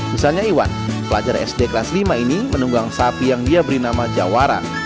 misalnya iwan pelajar sd kelas lima ini menunggang sapi yang dia beri nama jawara